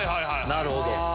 なるほど。